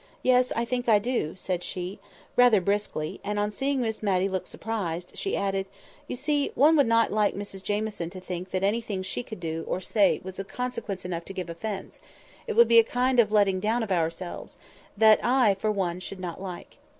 "Yes, I think I do," said she, rather briskly; and on seeing Miss Matty look surprised, she added, "You see, one would not like Mrs Jamieson to think that anything she could do, or say, was of consequence enough to give offence; it would be a kind of letting down of ourselves, that I, for one, should not like.